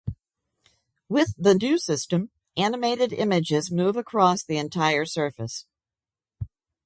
With the new system, animated images move across the entire surfac.